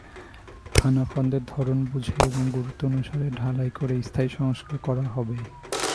খানাখন্দের ধরন বুঝে এবং গুরুত্ব অনুসারে ঢালাই করে স্থায়ী সংস্কার করা হবে।